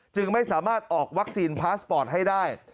จึงไม่สามารถออกวัคซีนพาสปอร์ตให้ได้